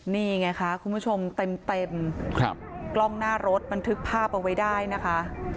นี่ไงคะคุณผู้ชมเต็มกล้องหน้ารถบันทึกภาพเอาไว้ได้นะคะ